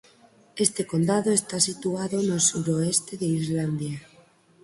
Este condado está situado no suroeste de Islandia.